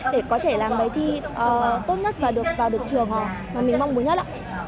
để có thể làm bài thi tốt nhất và được vào được trường mà mình mong muốn nhất ạ